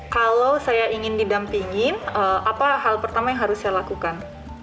kalau saya ingin didampingin apa hal pertama yang harus saya lakukan